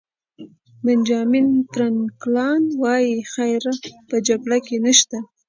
بنجامین فرانکلن وایي خیر په جګړه کې نشته.